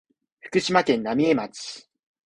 福島県浪江町